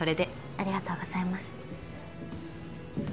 ありがとうございます。